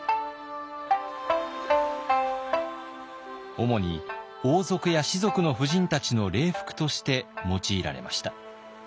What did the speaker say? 主に王族や士族の婦人たちの礼服として用いられました。